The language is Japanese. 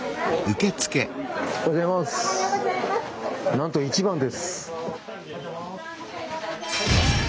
なんと１番です。